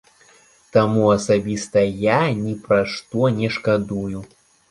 Таму асабіста я ні пра што не шкадую.